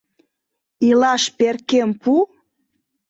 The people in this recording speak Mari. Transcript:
Илаш перкем пу!